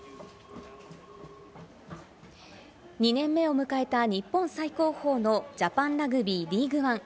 ２年目を迎えた日本最高峰のジャパンラグビーリーグワン。